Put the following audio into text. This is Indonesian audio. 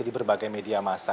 di berbagai media masa